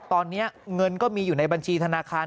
ตอนนี้เงินก็มีอยู่ในบัญชีธนาคาร